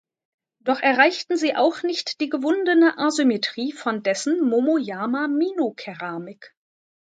Doch erreichten sie auch nicht die gewundene Asymmetrie von dessen Momoyama-Mino-Keramik.